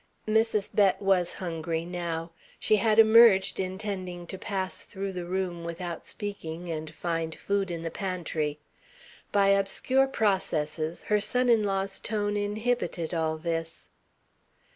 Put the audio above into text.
_" Mrs. Bett was hungry now. She had emerged intending to pass through the room without speaking and find food in the pantry. By obscure processes her son in law's tone inhibited all this.